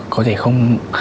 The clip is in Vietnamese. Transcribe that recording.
có thể không